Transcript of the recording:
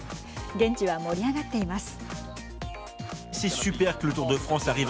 現地は盛り上がっています。